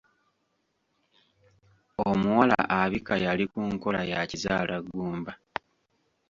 Omuwala abika yali ku nkola ya kizaala ggumba.